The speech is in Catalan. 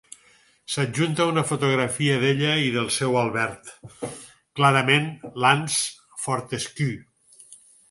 S'adjunta una fotografia d'ella i del seu Albert, clarament Lance Fortescue.